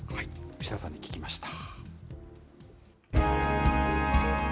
牛田さんに聞きました。